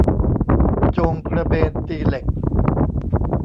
โจงกระเบนตีเหล็ก